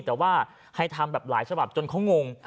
แต่ว่าให้ทำแบบหลายฉบับจนเขางง